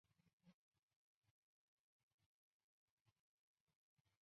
泽番椒为玄参科泽番椒属下的一个种。